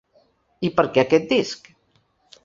I per què aquest disc?